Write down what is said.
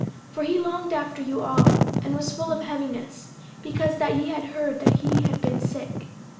50:002:026 For he longed after you all, and was full of heaviness, because that ye had heard that he had been sick.